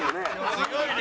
すごいね。